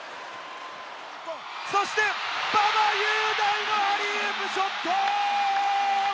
そして、馬場雄大のアリウープショット！